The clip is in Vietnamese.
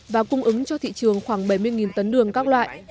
và cung ứng cho thị trường khoảng bảy mươi tấn đường các loại